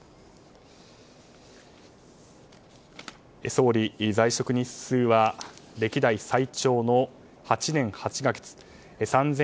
総理在職日数は歴代最長の８年８か月。